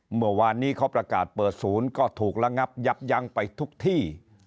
เมื่อวานนี้เขาประกาศเปิดศูนย์ก็ถูกระงับยับยั้งไปทุกที่